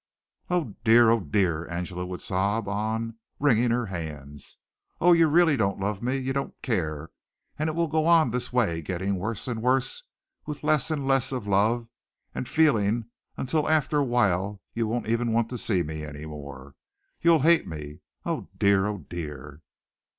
"Oh, dear! oh, dear!" Angela would sob on, wringing her hands. "Oh, you really don't love me! You don't care! And it will go on this way, getting worse and worse, with less and less of love and feeling until after awhile you won't even want to see me any more you'll hate me! Oh, dear! oh, dear!"